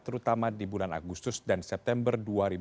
terutama di bulan agustus dan september dua ribu dua puluh